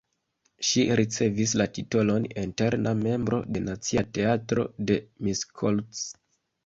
Ŝi ricevis la titolon eterna membro de Nacia Teatro de Miskolc.